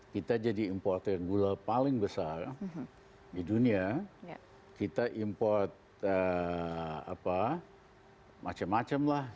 kita jadi importer gula paling besar di dunia kita import macam macam lah